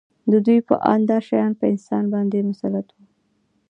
د دوی په اند دا شیان په انسان باندې مسلط وو